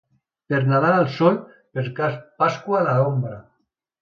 Per Nadal al sol, per Pasqua a l'ombra.